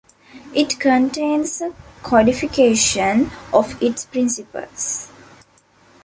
It contains a codification of its principles.